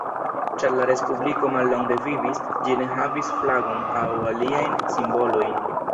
Ĉar la respubliko mallonge vivis, ĝi ne havis flagon aŭ aliajn simbolojn.